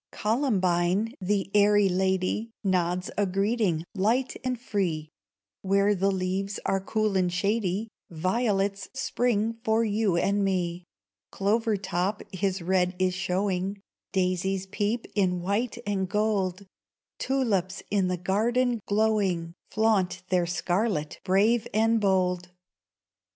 Columbine, the airy lady, Nods a greeting, light and free; Where the leaves are cool and shady, Violets spring for you and me; Clover top his red is showing, Daisies peep in white and gold, Tulips in the garden glowing, Flaunt their scarlet brave and bold.